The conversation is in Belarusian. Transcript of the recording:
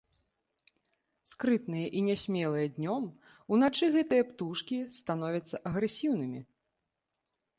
Скрытныя і нясмелыя днём, уначы гэтыя птушкі становяцца агрэсіўнымі.